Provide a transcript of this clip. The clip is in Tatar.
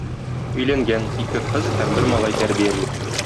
Өйләнгән, ике кыз һәм бер малай тәрбияли.